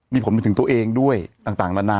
มีผลไปถึงตัวเองด้วยต่างนานา